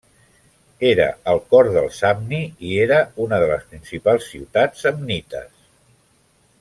Era al cor del Samni i era una de les principals ciutat samnites.